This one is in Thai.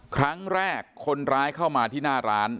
ครั้งแรกคนร้ายเข้ามาที่หน้าร้าน